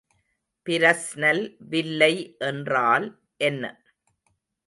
Fresnel வில்லை என்றால் என்ன?